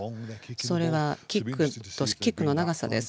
それはキックの長さです。